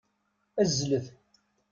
Azzlet.